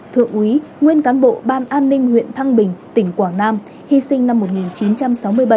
thượng úy nguyên cán bộ ban an ninh huyện thăng bình tỉnh quảng nam hy sinh năm một nghìn chín trăm sáu mươi bảy